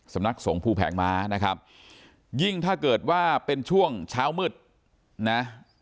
สำนักสงภูแผงม้านะครับยิ่งถ้าเกิดว่าเป็นช่วงเช้ามืดนะ